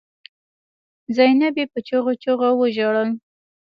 زينبې په چيغو چيغو وژړل.